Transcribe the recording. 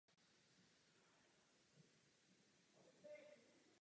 Při nehodě zemřel strojvůdce stojící jednotky.